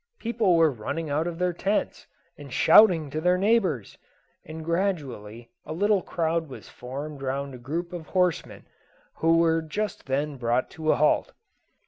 People were running out of their tents, and shouting to their neighbours, and gradually a little crowd was formed round a group of horsemen, who were just then brought to a halt.